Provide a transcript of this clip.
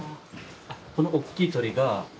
このおっきい鳥が。